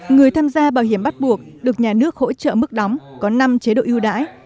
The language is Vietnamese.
người tham gia bảo hiểm bắt buộc được nhà nước hỗ trợ mức đóng có năm chế độ ưu đãi